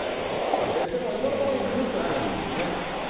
でも今のところ、雪降ってないんですね。